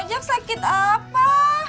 bu ojek sakit apa